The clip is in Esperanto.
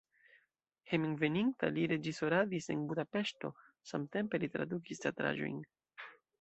Hejmenveninta li reĝisoradis en Budapeŝto, samtempe li tradukis teatraĵojn.